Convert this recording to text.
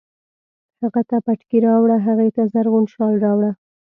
هغه ته پټکی راوړه، هغې ته زرغون شال راوړه